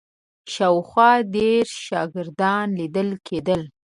شاوخوا ډېر شاګردان لیدل کېدل.